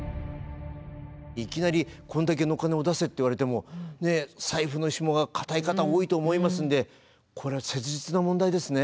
いきなりこんだけのお金を出せって言われても財布のひもが固い方は多いと思いますんでこれは切実な問題ですね。